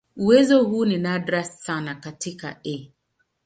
Uwezo huu ni nadra sana katika "E.